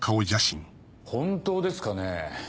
本当ですかねぇ。